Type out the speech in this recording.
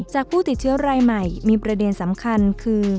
ผู้ติดเชื้อรายใหม่มีประเด็นสำคัญคือ